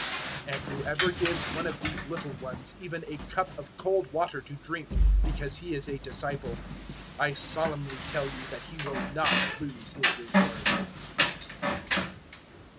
010:042 And whoever gives one of these little ones even a cup of cold water to drink because he is a disciple, I solemnly tell you that he will not lose his reward."